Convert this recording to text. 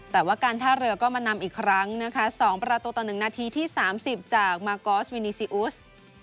แต่ว่าการท่าเรือก็มานำอีกครั้งนะคะ๒ประตูต่อ๑นาทีที่๓๐จากมากอสวินีซีอุส